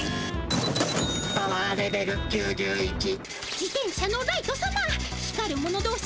自転車のライトさま光るものどうし